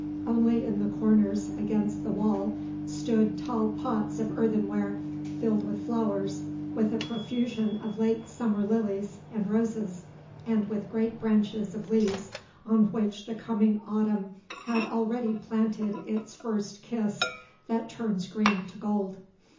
Only in the corners against the wall stood tall pots of earthenware filled with flowers, with a profusion of late summer lilies and roses and with great branches of leaves on which the coming autumn had already planted its first kiss that turns green to gold.